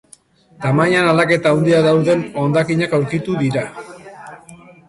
Tamainan aldaketa handiak dauden hondakinak aurkitu dira.